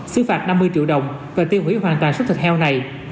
xứ phạt năm mươi triệu đồng và tiêu hủy hoàn toàn số thịt heo này